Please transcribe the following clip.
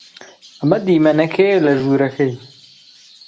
ئەمە دیمەنەکەیە لە ژوورەکەی.